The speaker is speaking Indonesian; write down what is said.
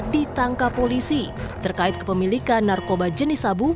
ditangkap polisi terkait kepemilikan narkoba jenis sabu